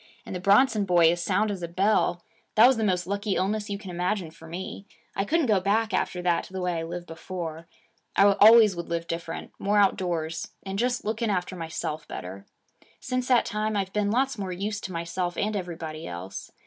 And the Bronson boy as sound as a bell. That was the most lucky illness you can imagine for me. I couldn't go back after that to the way I lived before. I always would live different more outdoors, and just looking after myself better. Since that time, I've been lots more use to myself and everybody else.